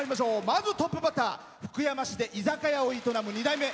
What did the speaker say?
まずトップバッター福山市で居酒屋を営む２代目。